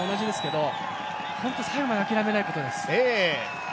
本当に最後まで諦めないことです。